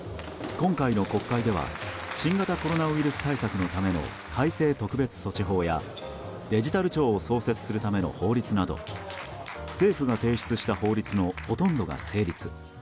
今回の国会では新型コロナウイルス対策のための改正特別措置法やデジタル庁を創設するための法律など政府が提出した法律のほとんどが成立。